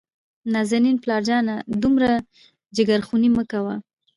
نازنين : پلار جانه دومره جګرخوني مه کوه.